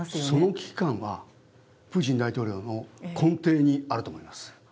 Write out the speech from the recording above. その危機感はプーチン大統領の根底にあると思います。